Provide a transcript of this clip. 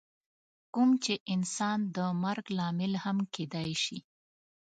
کوم چې انسان د مرګ لامل هم کیدی شي.